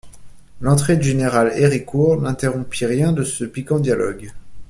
L'entrée du général Héricourt n'interrompit rien de ce piquant dialogue.